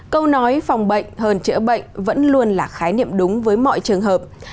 câu nói phòng bệnh hơn chữa bệnh vẫn luôn là khái niệm đúng với mọi trường hợp